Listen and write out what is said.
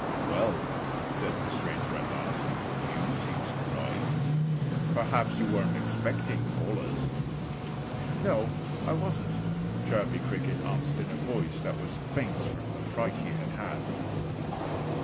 "Well," said the stranger at last, "you seem surprised. Perhaps you weren't expecting callers." "No, I wasn't," Chirpy Cricket answered in a voice that was faint from the fright he had had.